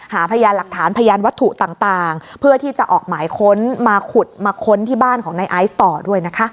หาพยานหลักฐานพยานวัตถุต่างเพื่อที่จะออกหมายค้นมาขุดมาค้นที่บ้านของนายไอซ์ต่อด้วยนะคะ